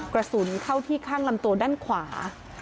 กระสุนเข้าที่ข้างลำตัวด้านขวา